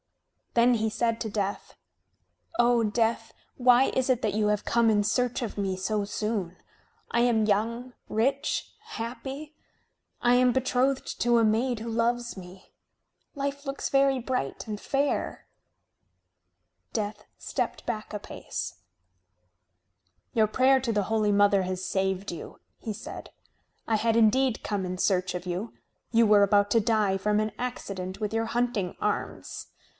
Then he said to Death: "O Death, why is it that you have come in search of me so soon? I am young, rich, happy. I am betrothed to a maid who loves me. Life looks very bright and fair." Death stepped back a pace. "Your prayer to the Holy Mother has saved you," he said. "I had indeed come in search of you. You were about to die from an accident with your hunting arms.